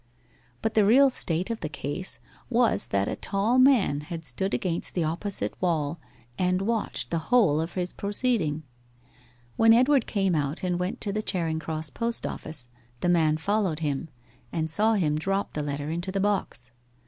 But the real state of the case was that a tall man had stood against the opposite wall and watched the whole of his proceeding. When Edward came out and went to the Charing Cross post office, the man followed him and saw him drop the letter into the box.